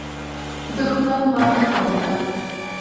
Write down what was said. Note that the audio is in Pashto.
دښمن ماته خوړله.